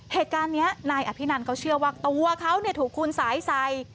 เหตุการณ์นี้นายอภินันเขาเชื่อว่าตัวเขาถูกคุณสายใส่